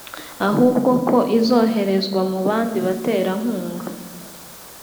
ahubwo ko izoherezwa mu bandi baterankunga